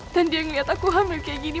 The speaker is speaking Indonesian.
dan dia ngeliat aku hamil kayak gini